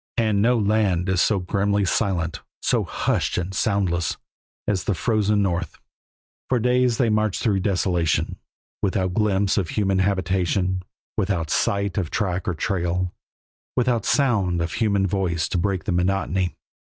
And no land is so grimly silent, so hushed and soundless, as the frozen North. For days they marched through desolation, without glimpse of human habitation, without sight of track or trail, without sound of a human voice to break the monotony.